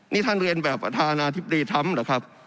นี่ท่านเรียนแบบประธานาธิบดีทรัมป์เหรอครับ